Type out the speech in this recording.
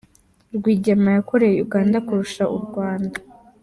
Rwigema yakoreye Uganda kurusha u Rwanda